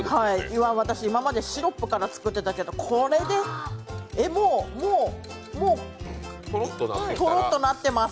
はい、今まで私、シロップから作ってたけど、これでもう、もうトロッとなってます。